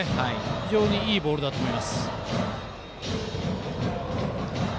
非常にいいボールだと思います。